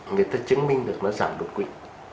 người ta chứng minh được nó giảm đột quỵ